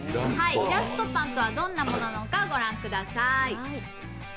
イラストパンとはどんなものなのかご覧ください。